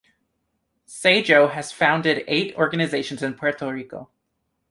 Seijo has founded eight organizations in Puerto Rico.